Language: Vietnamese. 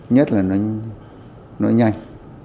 nhất là nó nhanh